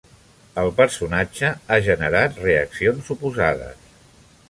El personatge ha generat reaccions oposades.